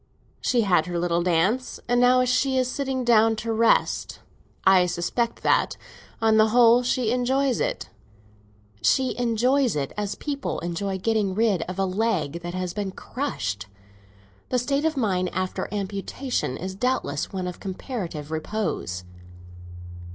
She had her little dance, and now she is sitting down to rest. I suspect that, on the whole, she enjoys it." "She enjoys it as people enjoy getting rid of a leg that has been crushed. The state of mind after amputation is doubtless one of comparative repose."